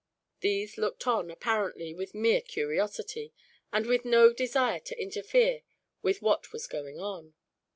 These looked on, apparently, with mere curiosity, and with no desire to interfere with what was going on.